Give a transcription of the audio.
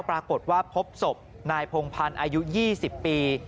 ปรากฏว่าพบศพนายพงพันธ์อายุ๒๐ปี